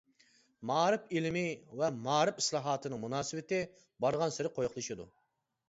مائارىپ ئىلمى ۋە مائارىپ ئىسلاھاتىنىڭ مۇناسىۋىتى بارغانسېرى قويۇقلىشىدۇ.